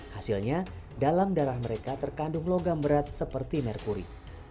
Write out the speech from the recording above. hasilnya dalam darah mereka terkandung logam berat seperti merkuri